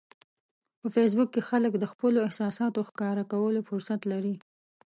په فېسبوک کې خلک د خپلو احساساتو ښکاره کولو فرصت لري